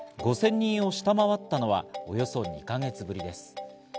５０００人を下回ったのはおよそ２か月ぶりです。